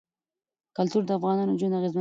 کلتور د افغانانو ژوند اغېزمن کوي.